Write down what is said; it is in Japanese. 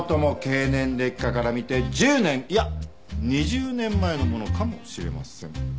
経年劣化から見て１０年いや２０年前のものかもしれません。